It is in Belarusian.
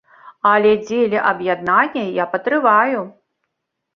Але дзеля аб'яднання я патрываю.